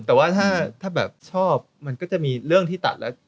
แต่ว่าถ้าแบบชอบมันก็จะมีเรื่องที่ตัดแล้ว